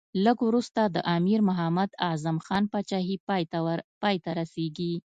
لږ وروسته د امیر محمد اعظم خان پاچهي پای ته رسېږي.